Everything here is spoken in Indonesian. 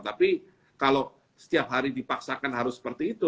tapi kalau setiap hari dipaksakan harus seperti itu